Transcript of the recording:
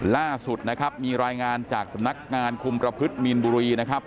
ล่าสุดนะครับมีรายงานจากสำนักงานคุมประพฤติมีนบุรีนะครับ